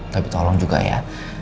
tapi tolong juga ya